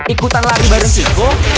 ikutan lari bareng siku